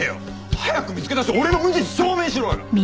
早く見つけ出して俺の無実証明しろよ！